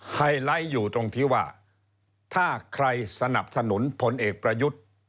ไฮไลท์อยู่ตรงที่ว่าถ้าใครสนับสนุนพลเอกประยุทธ์